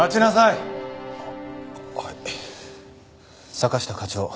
坂下課長。